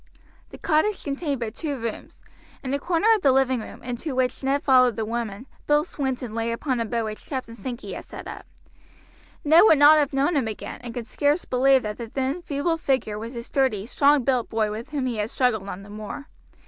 The cottage contained but two rooms. In a corner of the living room, into which Ned followed the woman, Bill Swinton lay upon a bed which Captain Sankey had sent up. Ned would not have known him again, and could scarce believe that the thin, feeble figure was the sturdy, strong built boy with whom he had struggled on the moor.